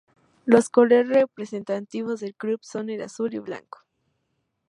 Los colores representativos del club, son el azul y blanco.